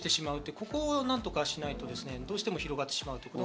ここを何とかしないと、どうしても広がってしまう。